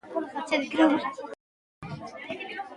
د علم زده کړه عبادت دی.